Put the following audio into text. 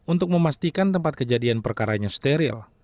untuk memastikan tempat kejadian perkaranya steril